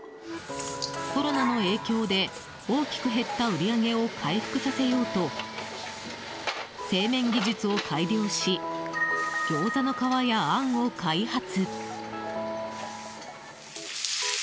コロナの影響で、大きく減った売り上げを回復させようと製麺技術を改良しギョーザの皮や、あんを開発。